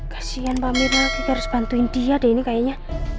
kasian pak mirna kita harus bantuin dia deh ini kayaknya